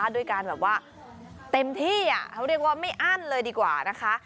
ด้วยการแบบว่าเต็มที่เขาเรียกว่าไม่อั้นเลยดีกว่านะคะ